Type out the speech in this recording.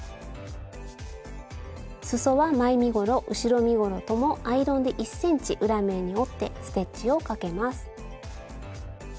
すそは前身ごろ後ろ身ごろともアイロンで１ｃｍ裏面に折ってステッチをかけます。